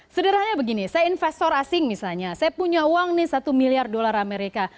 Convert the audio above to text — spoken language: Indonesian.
sederhananya begini saya investor asing misalnya saya punya uang nih satu miliar dolar amerika